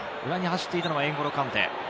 裏に走っていたのはエンゴロ・カンテ。